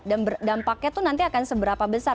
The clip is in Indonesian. dan berdampaknya itu nanti akan seberapa besar